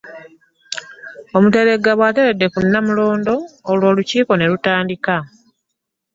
Omuteregga bw'ateredde ku Nnamulondo olwo olukiiko ne lutandika